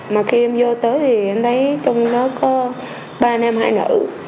mà khi em vô tới thì em thấy trong đó có ba em hai nữ